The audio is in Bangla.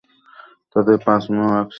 তাঁদের পাঁচ মেয়ে ও এক ছেলে।